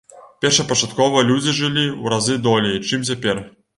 Першапачаткова людзі жылі ў разы долей, чым цяпер.